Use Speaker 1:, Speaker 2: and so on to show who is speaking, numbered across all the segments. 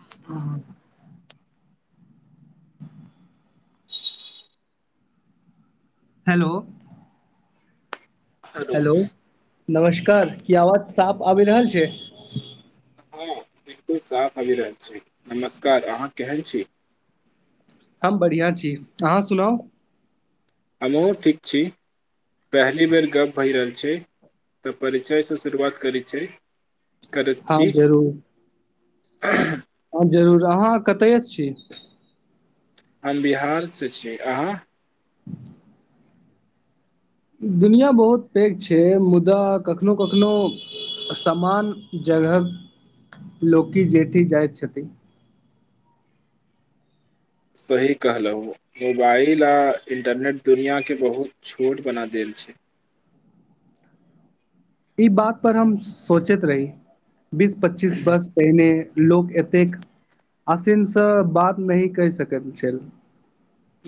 Speaker 1: ह hello
Speaker 2: hello
Speaker 1: नमस्कार की आवाज साफ आबि रहल छै
Speaker 2: हँ बिलकुल साफ आबि रहल छै नमस्कार अहाँ केहन छी
Speaker 1: हम बढ़ियां छी अहाँ सुनाउ
Speaker 2: हमहुँ ठीक छी पहली बेर गप भय रहल छै तऽ परिचयसँ शुरुआत करैत छै करैत
Speaker 1: हँ
Speaker 2: छी [inaudible]
Speaker 1: जरूर हँ जरूर अहाँ कतय से छी
Speaker 2: हम बिहारसे छी अहाँ
Speaker 1: दुनिआँ बहुत पैघ छै मुदा कखनो कखनो समान जगह लोकी जेठी जाइत छथिन
Speaker 2: सही कहलहु मोबाइल आ इंटरनेट दुनिआँके बहुत छोट बना देल छै
Speaker 1: ई बात पर हम सोचैत रहि बीस पच्चीस वर्ष पहिने लोक एतेक आसानीसँ बात नहि कहि सकैत छल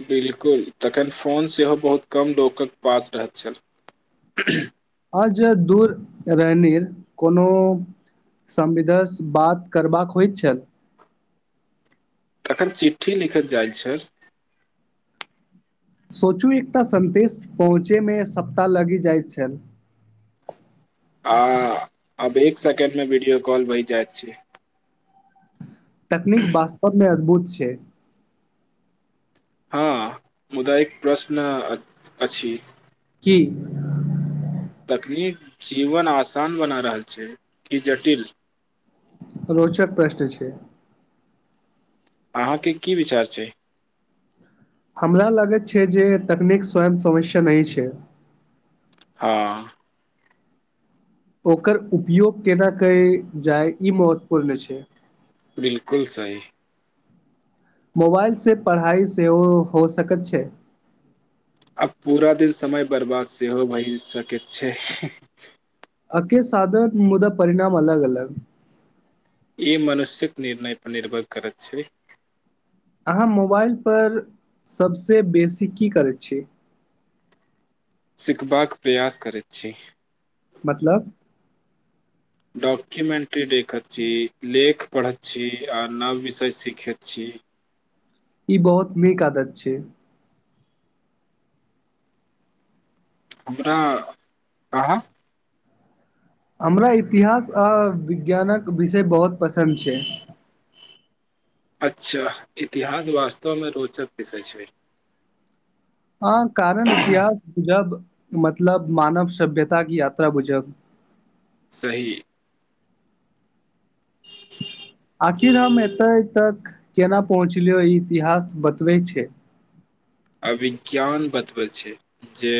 Speaker 2: बिलकुल तखन फोन सेहो बहुत कम लोकक पास रहैत छल
Speaker 1: आज दूर रहनी कोनो समविदसँ बात करबाक होइत छल
Speaker 2: तखन चिट्ठी लिखल जाइत छल
Speaker 1: सोचू एकटा सदेश पहुँचैमे सप्ताह लगि जाइत छल
Speaker 2: आ अब एक सेकेंड मे वीडियो कॉल भहि जायइत छै
Speaker 1: तकनीक वास्तवमे अद्भुत छै
Speaker 2: हँ मुदा एक प्रश्न अछि
Speaker 1: की
Speaker 2: तकनीक जीवन आसान बना रहल छै कि जटिल
Speaker 1: रोचक प्रश्न छै
Speaker 2: अहाँके की विचार छै
Speaker 1: हमरा लगैत छै जे तकनीक स्वयं समस्या नहि छै
Speaker 2: हँ
Speaker 1: ओकर उपयोग केना कयल जाय ई महत्वपूर्ण छै
Speaker 2: बिलकुल सही
Speaker 1: मोबाइल से पढ़ाई सेहो हो सकैत छैे
Speaker 2: आब पूरा दिन समय बर्बाद सेहो भए सकैत छै
Speaker 1: के साधन मुदा परिणाम अलग अलग
Speaker 2: ई मनुष्यक निर्णय पर निर्भर करत छै
Speaker 1: अहाँ मोबाइलपर सभसँ बेसी की करै छी
Speaker 2: सिखबाक प्रयास करैत छी
Speaker 1: मतलब
Speaker 2: डॉक्युमेंट्री देखैत छी लेख पढ़ैत छी आ नव विषय सिखैत छी
Speaker 1: ई बहुत नीक आदत छै
Speaker 2: हमरा अहाँ
Speaker 1: हमरा इतिहास आ विज्ञानक विषय बहुत पसन्द छै
Speaker 2: अच्छा इतिहास वास्तवमे रोचक विषय छै
Speaker 1: हँ कारण इतिहास जब मतलब मानव सभ्यताक यात्रा बुझब
Speaker 2: सही
Speaker 1: आखिर हम एते तक केना पहुँचलियो ई इतिहास बतबे छैय।
Speaker 2: अभिज्ञान बतबै छैय जे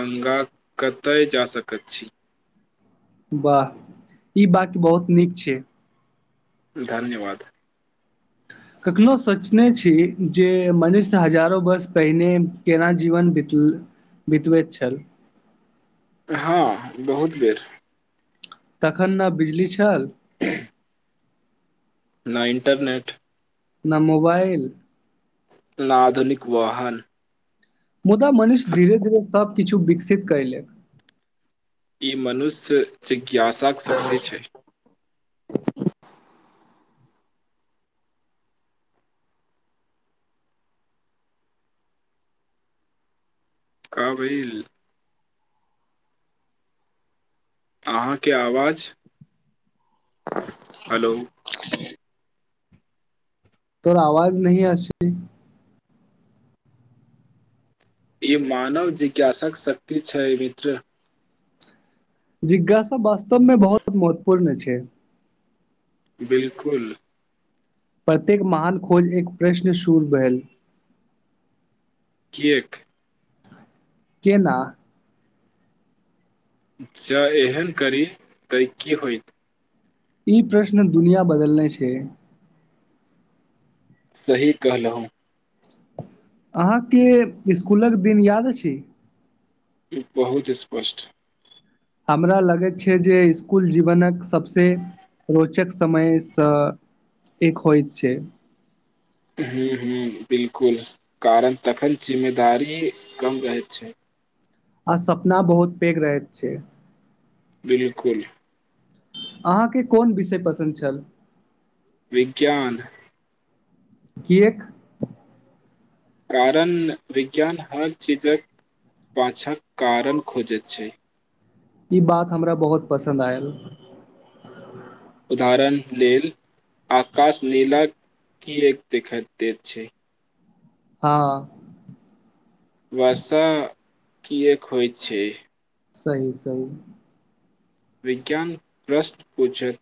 Speaker 2: आगाँ कतय जा सकैत छी
Speaker 1: वाह ई बाक बहुत नीक छैय
Speaker 2: धन्यवाद
Speaker 1: कखनहु सोचने छी जे मनुष्य हजारो वर्ष पहिने केना जीवन बितबैत छल
Speaker 2: हँ बहुत बेर
Speaker 1: तखन ने बिजली चल
Speaker 2: नहि इंटरनेट
Speaker 1: न मोबाइल
Speaker 2: ना आधुनिक वाहन
Speaker 1: मुदा मनीष धीरे धीरे सबबकिछु विकसित कैल
Speaker 2: ई मनुष्य च ज्ञासा सकते छैय काबिल अहाँके आवाज हेलो
Speaker 1: तोहर आवाज नहि अछि
Speaker 2: ई मानव जिज्ञासक शक्त छैय मित्र
Speaker 1: जिज्ञासा वास्तवमे बहुत महत्वपूर्ण छैय
Speaker 2: बिलकुल
Speaker 1: प्रत्येक महान खोज एक प्रश्न सूर भेल
Speaker 2: कियाक
Speaker 1: केना
Speaker 2: जँ एहन करी तऽ की होत
Speaker 1: ई प्रश्न दुनिया बदलने छैय
Speaker 2: सही कहलूहु
Speaker 1: अहाँके इसकुलक दिन याद अछि
Speaker 2: बहुती स्पष्ट
Speaker 1: हमरा लगैत छैय जे इसकुल जीवनक सभसँ रोचक समयसँ एक होइत छैय
Speaker 2: ह्म ह बिलकुल कारण तखन जिम्मेदारी कम रहैत छैय।
Speaker 1: आ सपना बहुत पैघ रहैत छैय।
Speaker 2: बिलकुल
Speaker 1: अहाँके कोन विषय पसन्द छल
Speaker 2: विज्ञान
Speaker 1: कियेक
Speaker 2: कारण विज्ञान हर चीजक पाछाँ कारण खोजैत छैय
Speaker 1: ई बात हमरा बहुत पसन्द आयल।
Speaker 2: उदाहरण लेल आकाश नीला किएक देखा दैत छैय
Speaker 1: हँ
Speaker 2: वर्षा किएक होईत छैय
Speaker 1: सहि सहि
Speaker 2: विज्ञान प्रश्न पूछैत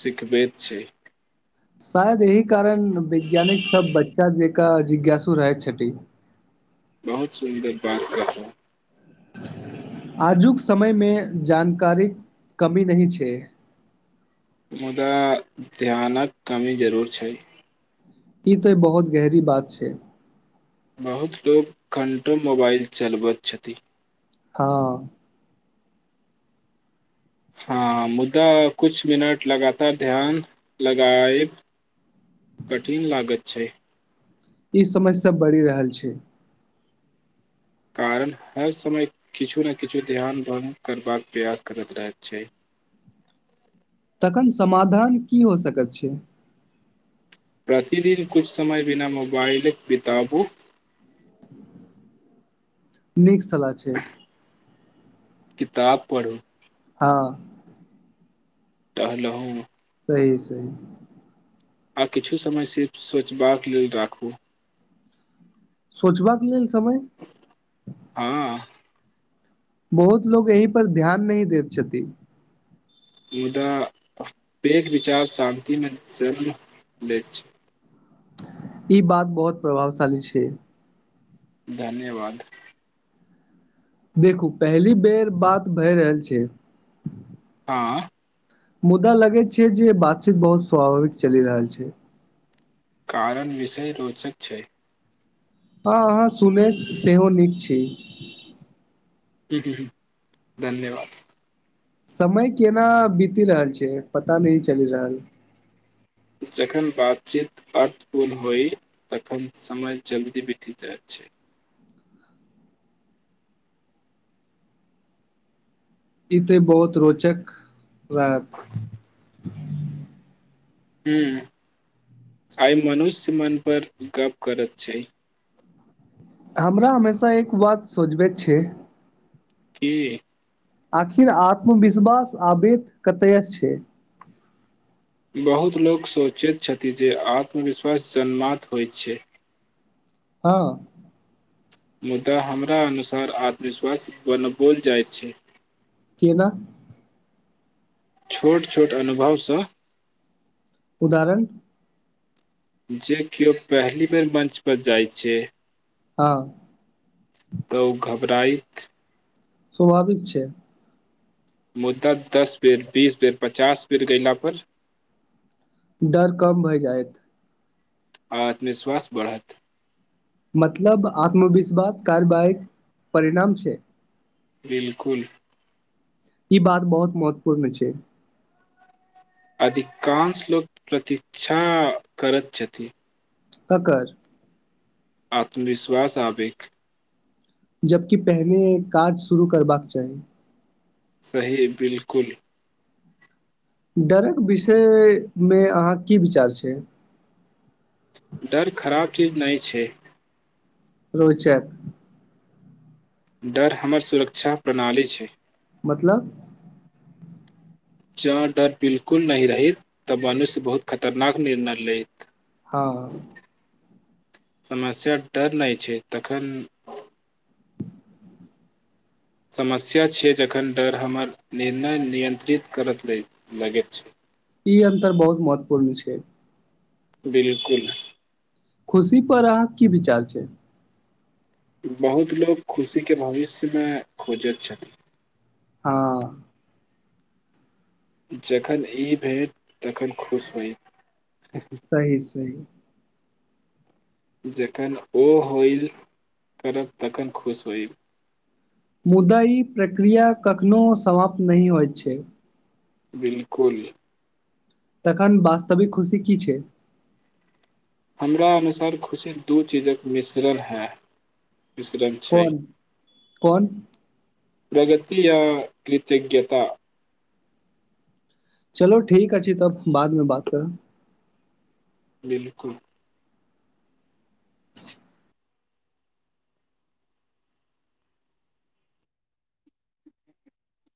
Speaker 2: सिखबैत छैय।
Speaker 1: शायद यह कारण वैज्ञानिक सब बच्चा जेका जिज्ञासु रहै छथ
Speaker 2: बहुत सुन्दर बात कहलव
Speaker 1: आजुक समय मे जानकारीक कमी नहि छैय।
Speaker 2: मुदा ध्यानक कमी जरूर छै
Speaker 1: ई तो बहुत गहरी बात छै
Speaker 2: बहुत लोक घण्टो मोबाइल चलबैत छथि
Speaker 1: हँ
Speaker 2: हँ मुद्दा कुछ मिनट लगातार ध्यान लगैब कठिन लागत छै
Speaker 1: ई समस्या बढ़ि रहल छै
Speaker 2: कारण हर समय किछु ने किछु ध्यान भगं करबाक प्रयास करैत रहैत छै
Speaker 1: तखन समाधान की हो सकैत छै
Speaker 2: प्रतिदिन कुछ समय बिना मोबाइल बिताबु
Speaker 1: नीक सलाह छै
Speaker 2: किताब पढ़ू
Speaker 1: हँ
Speaker 2: टहलहुँ
Speaker 1: सहि सहि
Speaker 2: आ किछु समय सिर्फ सोचबाक लेल राखू
Speaker 1: सोचबाक लेल समय
Speaker 2: हँ
Speaker 1: बहुत लोग एहि पर ध्यान नहि दैत छथिन
Speaker 2: मुदा एक विचार शान्तिमे चल लैत छै
Speaker 1: ई बात बहुत प्रभावशाली छै
Speaker 2: धन्यवाद
Speaker 1: देखू पहिली बेर बात भए रहल छै
Speaker 2: हँ
Speaker 1: मुद्दा लगैत छै जे बातचीत बहुत स्वाभाविक चलि रहल छै
Speaker 2: कारण विषय रोचक छै
Speaker 1: हँ अहाँ सुनैत सेहो नीक छी
Speaker 2: ह ह ह धन्यवाद
Speaker 1: समय केना बीति रहल छै पता नहि चलि रहल
Speaker 2: जखन बातचीत अर्थपूर्ण होइ तखन समय जल्दी बीति जाइत छै
Speaker 1: ई तऽ बहुत रोचक लागत
Speaker 2: ह आइ मनुष्य मन पर गप्प करैत छै
Speaker 1: हमरा हमेशा एक बात सोचबे छै
Speaker 2: की
Speaker 1: आखिर आत्मविश्वास आबैत कतय से छै
Speaker 2: बहुत लोक सोचैत छथि जे आत्मविश्वास जन्मात होइत छै
Speaker 1: हँ
Speaker 2: मुदा हमरा अनुसार आत्मविश्वास बनबोल जाइत छै
Speaker 1: केना
Speaker 2: छोट छोट अनुभवसँ
Speaker 1: उदाहरण
Speaker 2: जे केयो पहिली बेर मञ्च पर जाइत छै
Speaker 1: हँ
Speaker 2: तऽ ओ घबराइत
Speaker 1: स्वभाविक छै
Speaker 2: मुद्दत दस बेर बीस बेर पचास बेर कयला पर
Speaker 1: डर कम भए जायत
Speaker 2: आत्मविश्वास बढ़त
Speaker 1: मतलब आत्मविश्वास कारबाहक परिणाम छै
Speaker 2: बिलकुल
Speaker 1: ई बात बहुत महत्वपूर्ण छैय।
Speaker 2: अधिकांश लोक प्रतिक्षा करैत छथि
Speaker 1: ककर
Speaker 2: आत्मविश्वास आबेक
Speaker 1: जबकि पहिनेे काज शुरू करबाक चाही
Speaker 2: सही बिलकुल
Speaker 1: डरक विषयमे अहाँ की विचार छैय
Speaker 2: डर खराब चीज नहि छैय
Speaker 1: रोचक
Speaker 2: डर हमर सुरक्षा प्रणाली छैय।
Speaker 1: मतलब
Speaker 2: जँ डर बिलकुल नहि रहैत तब मनुष्य बहुत खतरनाक निर्णय लैत
Speaker 1: हँ
Speaker 2: समस्या डर नहि छैय तखन समस्या छीयै जखन डर हमर निर्णय नियन्त्रित करय लगैत छैय
Speaker 1: ई अन्तर बहुत महत्वपूर्ण छैय
Speaker 2: बिलकुल
Speaker 1: खुशी पर अहाँ की विचार छैय
Speaker 2: बहुत लोको खुशी के भविष्यमे खोजैत छथिन
Speaker 1: हँ
Speaker 2: जखन ई भेलट तखन खुश होइ
Speaker 1: सही सही
Speaker 2: जखन ओ होइ करब तखन खुश होइब
Speaker 1: मुदा ई प्रक्रिया कखनो समाप्त नह होइत छैय
Speaker 2: बिलकुल
Speaker 1: ताकन वास्तविक खुशी की छैय
Speaker 2: हमरा अनुसार खुशी दू चीजक मिश्रण है। मिश्रण छै
Speaker 1: कोन कोन?
Speaker 2: प्रगति य कृतज्ञता
Speaker 1: चलो ठीक अछि तब बादमे बात करब।
Speaker 2: बिलकुल